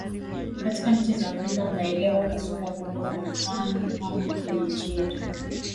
katika nchi za afrika unaelewa kasumba kubwa kwa mfano kwenye nchi yetu